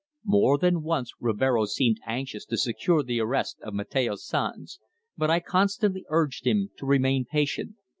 More than once Rivero seemed anxious to secure the arrest of Mateo Sanz, but I constantly urged him to remain patient.